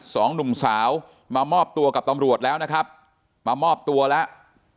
สองหนุ่มสาวมามอบตัวกับตำรวจแล้วนะครับมามอบตัวแล้ว